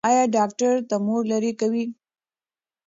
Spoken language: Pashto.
ایا ډاکټر تومور لرې کوي؟